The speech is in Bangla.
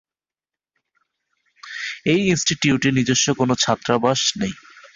এই ইনস্টিটিউটে নিজস্ব কোনো ছাত্রাবাস নেই।